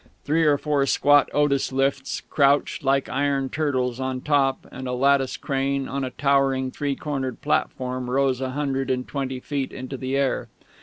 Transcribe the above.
Three or four squat Otis lifts crouched like iron turtles on top, and a lattice crane on a towering three cornered platform rose a hundred and twenty feet into the air.